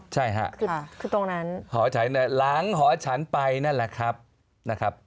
ใช่ค่ะหอฉันหลังหอฉันไปนั่นแหละครับ